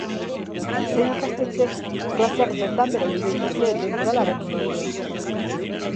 Sei ikastetxek klaseak bertan behera utzi dituzte denboralearen ondorioz.